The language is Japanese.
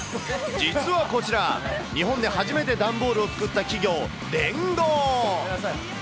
実はこちら、日本で初めて段ボールを作った企業、レンゴー。